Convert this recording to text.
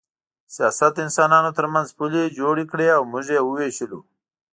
سیاست د انسانانو ترمنځ پولې جوړې کړې او موږ یې ووېشلو